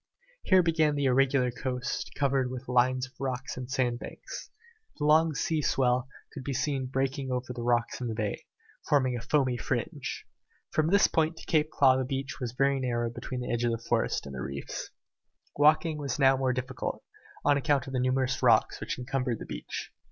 Here began the irregular coast, covered with lines of rocks and sandbanks. The long sea swell could be seen breaking over the rocks in the bay, forming a foamy fringe. From this point to Claw Cape the beach was very narrow between the edge of the forest and the reefs. Walking was now more difficult, on account of the numerous rocks which encumbered the beach.